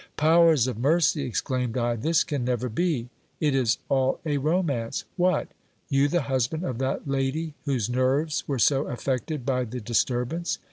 Powers of mercy! exclaimed I, this can never be; it is all a romance. What ! you the husband of that lady whose nerves were so affected by the dis turbance?